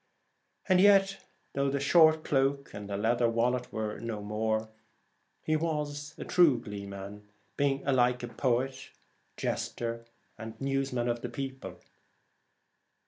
And yet though the short cloak and the leather wallet were no more, he was a true gleeman, being alike poet, jester, and newsman of the people.